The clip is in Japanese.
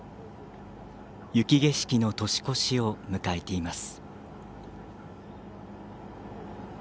雪景色の年越しを迎えています。